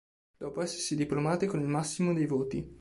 Dopo essersi diplomati con il massimo dei voti.